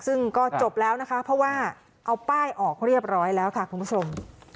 ซึ่งก็จบแล้วนะคะเพราะว่าเอาป้ายออกเรียบร้อยแล้วค่ะคุณผู้ชม